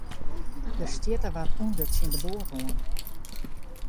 Der stjitte wat ûnder tsjin de boat oan.